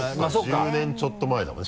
１０年ちょっと前だもんね